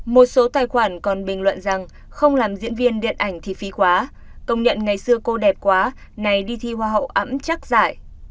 một số tài khoản còn bình luận rằng không làm diễn viên điện ảnh thì phí quá công nhận ngày xưa cô đẹp quá nay đi thi hoa hậu ẵm chắc dài